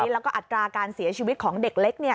แล้วก็อัตราการเสียชีวิตของเด็กเล็ก